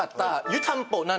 湯たんぽあ